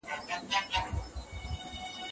ماشومان به درناوی زده کړي.